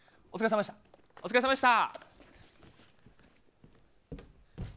お疲れさまでした。